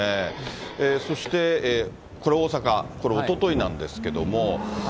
そしてこれ、大阪、これはおとといなんですけども。